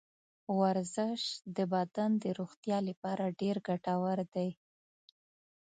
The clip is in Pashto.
ورزش د بدن د روغتیا لپاره ډېر ګټور دی.